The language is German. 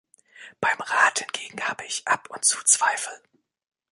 Beim Rat hingegen habe ich ab und zu Zweifel.